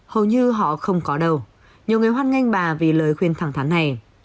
hầu như họ không có đâu nhiều người hoan nghênh bà vì lời khuyên thẳng thắn này